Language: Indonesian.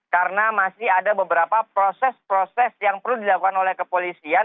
karena masih ada beberapa proses proses yang perlu dilakukan oleh kepolisian